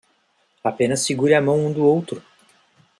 Apenas segure a mão um do outro